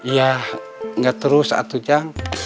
iya gak terus atu jang